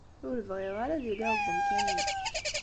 Ur bɣiɣ ara ad iliɣ deg umkan-is.